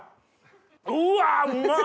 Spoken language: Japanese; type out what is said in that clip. うわうまっ！